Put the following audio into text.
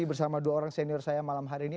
bersama dua orang senior saya malam hari ini